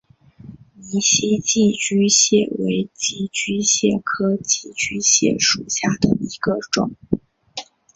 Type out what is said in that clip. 泥栖寄居蟹为寄居蟹科寄居蟹属下的一个种。